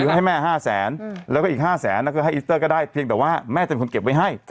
คือให้แม่๕แสนแล้วก็อีก๕แสนก็ให้อิสเตอร์ก็ได้เพียงแต่ว่าแม่จะเป็นคนเก็บไว้ให้